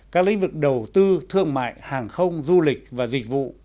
các lĩnh vực đầu tư thương mại hàng không du lịch và dịch vụ